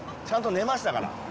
ちゃんと寝ましたから。